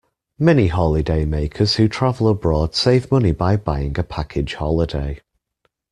Many holidaymakers who travel abroad save money by buying a package holiday